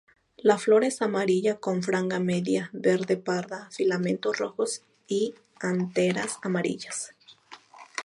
La flor es amarilla con franja media verde-parda, filamentos rojos y anteras amarillas.